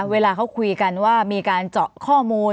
เวลาเขาคุยกันว่ามีการเจาะข้อมูล